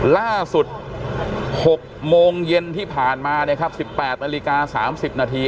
ล่าสุด๖โมงเย็นที่ผ่านมานะครับ๑๘นาฬิกา๓๐นาที